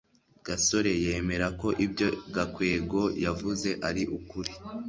gasore yemera ko ibyo gakwego yavuze ari ukuri